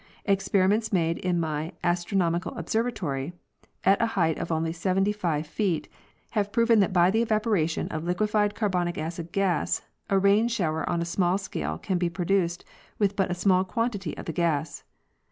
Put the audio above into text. Experiments made in my astronomical observatory, at a height of only seventy five feet, have provén that by the evaporation of liquefied carbonic acid gas a rain shower on a small scale can be produced with but a small quantity of the gas.